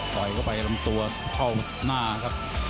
เข้าไปลำตัวเข้าหน้าครับ